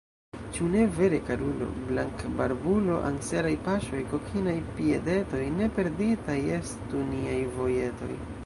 Ĉu ne vere, karulo, blankbarbulo, anseraj paŝoj, kokinaj piedetoj, ne perditaj estu niaj vojetoj!